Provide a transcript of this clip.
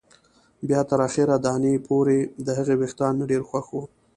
بیا تر اخري دانې پورې، د هغې وېښتان مې ډېر خوښ وو.